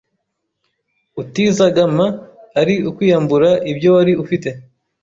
utizagama ari ukwiyambura ibyo wari ufite,